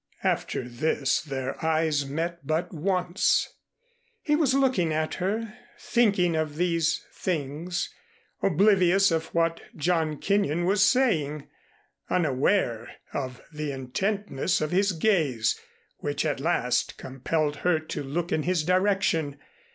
After this their eyes met but once. He was looking at her, thinking of these things, oblivious of what John Kenyon was saying, unaware of the intentness of his gaze, which at last compelled her to look in his direction.